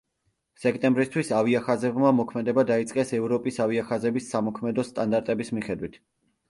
სექტემბრისთვის ავიახაზებმა მოქმედება დაიწყეს ევროპის ავიახაზების სამოქმედო სტანდარტების მიხედვით.